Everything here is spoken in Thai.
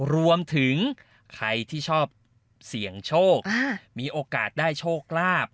รวมถึงใครที่ชอบเสี่ยงโชคมีโอกาสได้โชคลาภ